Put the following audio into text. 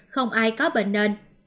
không ai có bệnh nên